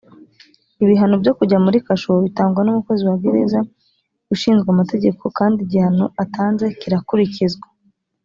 ibihano byo kujya muri kasho bitangwa n umukozi wa gereza ushinzwe amategeko kandi igihano atanze kirakurikizwa